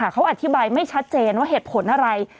เขาอธิบายไม่ชัดเจนว่าเหตุผลอะไร